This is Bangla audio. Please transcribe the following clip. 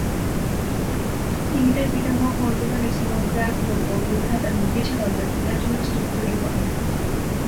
তিনি তার পিতামহ 'খোন-দ্কোন-ম্ছোগ-র্গ্যাল-পো ও দুই ভ্রাতার মূর্তি ছাড়াও তার পিতার জন্য স্তূপ তৈরী করেন।